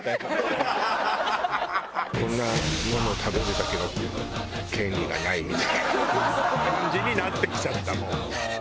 こんなものを食べるだけの権利がないみたいな感じになってきちゃったもう。